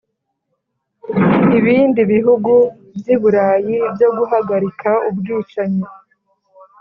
ibindi bihugu by'i buraya byo guhagarika ubwicanyi.